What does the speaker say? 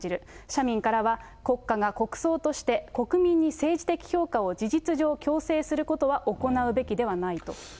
社民からは、国家が国葬として、国民に政治的評価を事実上強制することは行うべきではないと。